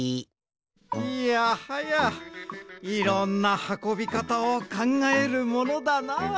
いやはやいろんなはこびかたをかんがえるものだな。